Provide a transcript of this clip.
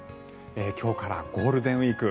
今日からゴールデンウィーク。